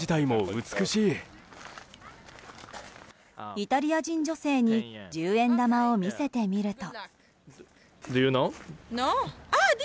イタリア人女性に十円玉を見せてみると。